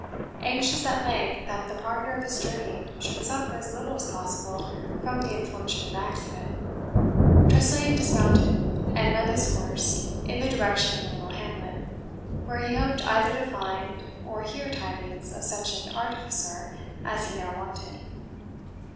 Anxious, at length, that the partner of his journey should suffer as little as possible from the unfortunate accident, Tressilian dismounted, and led his horse in the direction of a little hamlet, where he hoped either to find or hear tidings of such an artificer as he now wanted.